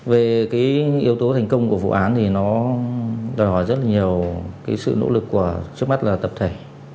về cái yếu tố thành công của vụ án thì nó đòi hỏi rất là nhiều cái sự nỗ lực của trước mắt là tập thể